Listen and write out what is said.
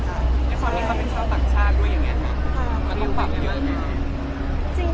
ความรู้สึกว่าเป็นชาวต่างชาติด้วยอย่างนี้ค่ะมันต้องปรับอยู่อย่างไร